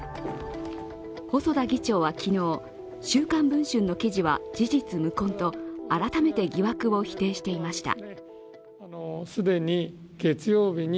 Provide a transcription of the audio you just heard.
細田議長は昨日、「週刊文春」の記事は事実無根と改めて疑惑を否定していました。